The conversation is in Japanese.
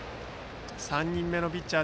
３人目のピッチャー